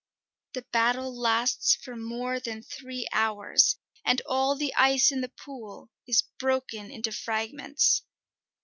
The battle lasts for more than three hours, and all the ice in the pool is broken into fragments.